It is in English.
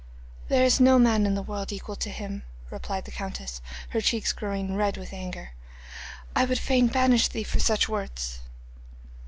'There is no man in the world equal to him,' replied the countess, her cheeks growing red with anger. 'I would fain banish thee for such words.